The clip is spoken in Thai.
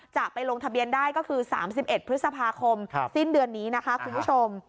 จะไปลงทะเบียนได้ก็คือ๓๑พฤษภาคมสิ้นเดือนนี้นะคะคุณผู้ชม